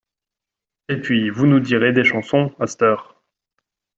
Et puis vous nous direz des chansons, à c't'heure!